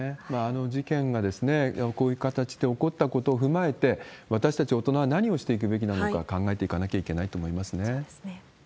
事件がこういう形で起こったことを踏まえて、私たち、大人は何をしていくべきなのか、考えていかなきゃいけないと思いそうですね。